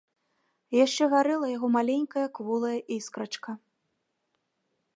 Яшчэ гарэла яго маленькая кволая іскрачка.